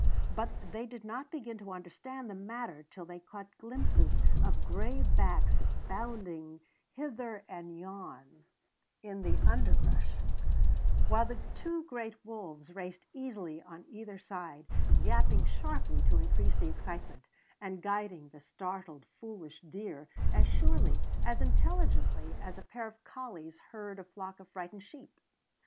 But they did not begin to understand the matter till they caught glimpses of gray backs bounding hither and yon in the underbrush, while the two great wolves raced easily on either side, yapping sharply to increase the excitement, and guiding the startled, foolish deer as surely, as intelligently, as a pair of collies herd a flock of frightened sheep.